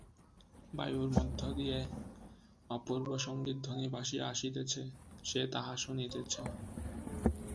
বায়ুর মধ্য দিয়া অপূর্ব সঙ্গীতধ্বনি ভাসিয়া আসিতেছে, সে তাহা শুনিতেছে।